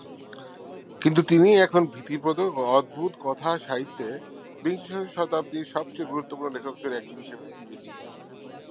কিন্তু তিনিই এখন ভীতিপ্রদ ও অদ্ভুত কথাসাহিত্যে বিংশ শতাব্দীর সবচেয়ে গুরুত্বপূর্ণ লেখকদের একজন হিশেবে বিবেচিত।